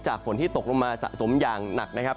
ฝนที่ตกลงมาสะสมอย่างหนักนะครับ